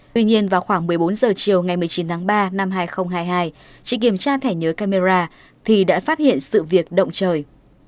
tuy nhiên vào khoảng một mươi bốn h chiều ngày một mươi chín tháng ba năm hai nghìn hai mươi hai chị kiểm tra thẻ nhớ camera thì đã phát hiện sự việc động trời